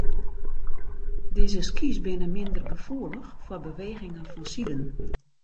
Dizze skys binne minder gefoelich foar bewegingen fansiden.